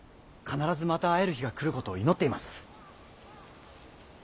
必ずまた会える日が来ることを祈っています。